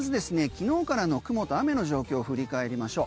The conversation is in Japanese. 昨日からの雲と雨の状況を振り返りましょう。